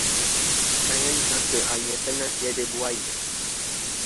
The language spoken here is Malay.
Jangan disangka air yang tenang tiada buaya.